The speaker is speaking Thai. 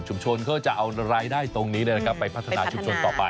เขาก็จะเอารายได้ตรงนี้ไปพัฒนาชุมชนต่อไป